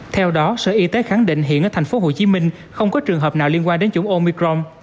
theo đó sở y tế khẳng định hiện ở tp hcm không có trường hợp nào liên quan đến chủng omicron